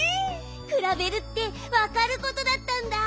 くらべるってわかることだったんだ！